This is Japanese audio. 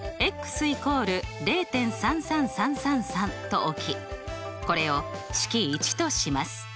まず＝０．３３３３３と置きこれを式①とします。